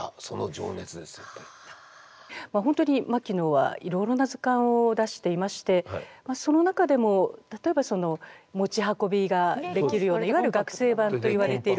本当に牧野はいろいろな図鑑を出していましてその中でも例えば持ち運びができるようないわゆる学生版といわれている。